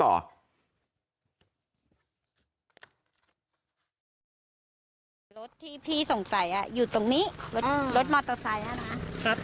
รถที่พี่สงสัยอยู่ตรงนี้รถมอเตอร์ไซค์